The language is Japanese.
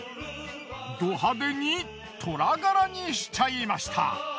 ド派手にトラ柄にしちゃいました。